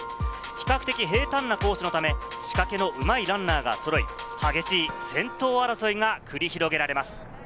比較的平坦なコースのため、仕掛けのうまいランナーがそろい、激しい先頭争いが繰り広げられます。